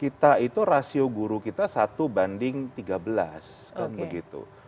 kita itu rasio guru kita satu banding tiga belas kan begitu